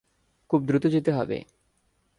খুব দ্রুত যেতে হবে।